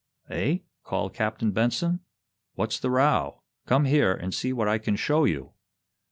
"Eh?" called Captain Benson. "What's the row? Come here and see what I can show you!"